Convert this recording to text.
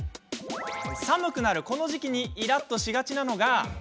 寒くなるこの時期にイラッとしがちなのが。